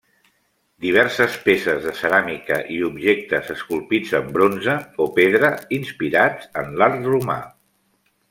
Diverses peces de ceràmica i objectes esculpits en bronze o pedra, inspirats en l'art romà.